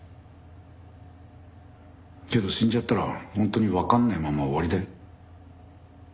けど死んじゃったら本当にわかんないまま終わりだよ。